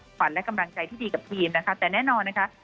ขวัญและกำลังใจที่ดีกับทีมนะคะแต่แน่นอนนะคะ